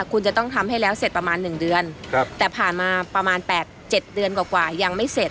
คุณจะต้องทำให้แล้วเสร็จประมาณ๑เดือนแต่ผ่านมาประมาณ๘๗เดือนกว่ายังไม่เสร็จ